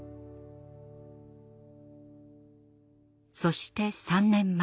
そして３年前。